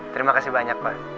terima kasih banyak pak